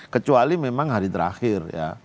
kecuali memang hari terakhir ya